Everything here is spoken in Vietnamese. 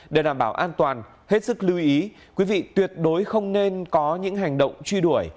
để đảm bảo an toàn hết sức lưu ý quý vị tuyệt đối không nên có những hành động truy đuổi